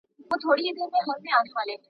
که د سړک حق ورکړو نو څوک نه ازاریږي.